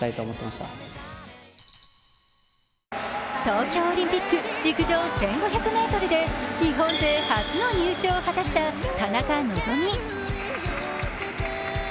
東京オリンピック陸上１５００ｍで日本勢初の入賞を果たした田中希実。